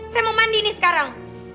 saya mau mandi nih sekarang